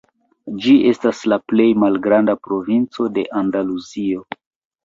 Ĝi estas la plej malgranda provinco de Andaluzio.